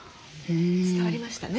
伝わりましたね。